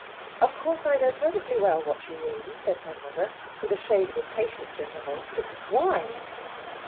"Of course I know perfectly well what you mean," says her mother, with a shade of impatience in her voice. "But why?"